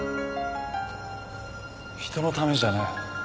人のためじゃねえ。